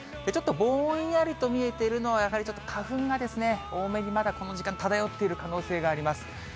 ちょっとぼんやりと見えているのは、やはりちょっと花粉が多めにまだこの時間、漂っている可能性があります。